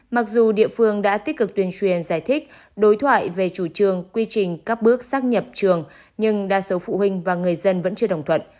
mặc dù địa phương đã tích cực tuyên truyền giải thích đối thoại về chủ trương quy trình các bước xác nhập trường nhưng đa số phụ huynh và người dân vẫn chưa đồng thuận